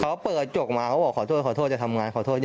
เขาเปลือจกมาแล้วเขาบอกขอโทษขอโทษอย่าทำงานขอโทษ